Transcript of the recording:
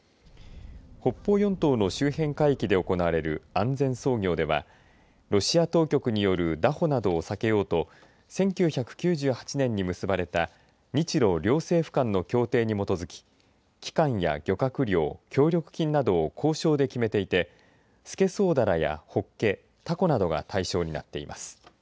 北方四島の周辺海域で行われる安全操業ではロシア当局による拿捕などを避けようと１９９８年に結ばれた日ロ両政府間の協定に基づき期間や漁獲量協力金などを交渉で決めていてスケソウダラやホッケタコなどが対象になっています。